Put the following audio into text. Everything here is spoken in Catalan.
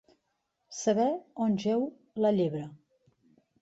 Saber on jeu la llebre.